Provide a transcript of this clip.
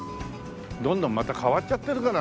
どんどんまた変わっちゃってるからなあ。